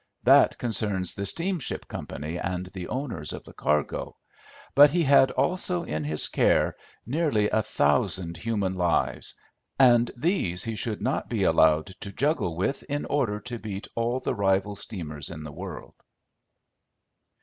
That concerns the steamship company and the owners of the cargo; but he had also in his care nearly a thousand human lives, and these he should not be allowed to juggle with in order to beat all the rival steamers in the world."